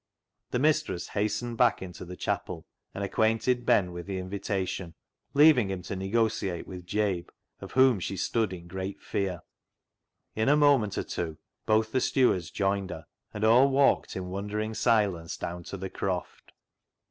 The mistress hastened back into the chapel and acquainted Ben with the invitation, leaving him to negotiate with Jabe, of whom she stood in great fear. In a moment or two both the stewards joined her, and all walked in wonder ing silence down to the Croft.